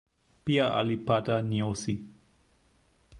Pia alipata njozi.